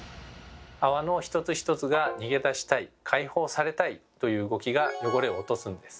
泡の一つ一つが「逃げ出したい」「解放されたい」という動きが汚れを落とすんです。